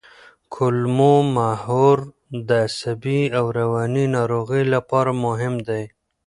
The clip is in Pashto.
کولمو محور د عصبي او رواني ناروغیو لپاره مهم دی.